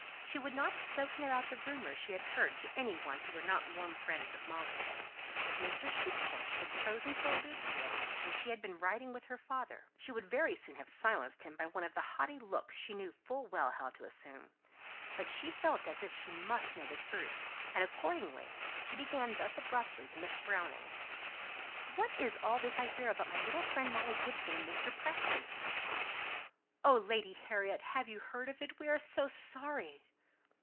She would not have spoken about the rumour she had heard to any who were not warm friends of Molly's. If Mr. Sheepshanks had chosen to allude to it when she had been riding with her father, she would very soon have silenced him by one of the haughty looks she knew full well how to assume. But she felt as if she must know the truth, and accordingly she began thus abruptly to Miss Browning: "What is all this I hear about my little friend Molly Gibson and Mr. Preston?" "Oh, Lady Harriet! have you heard of it? We are so sorry!"